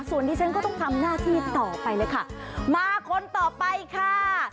ส่วนที่ฉันก็ต้องทำหน้าที่ต่อไปเลยค่ะมาคนต่อไปค่ะ